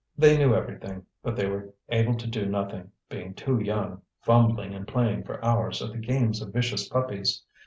They knew everything, but they were able to do nothing, being too young, fumbling and playing for hours at the games of vicious puppies.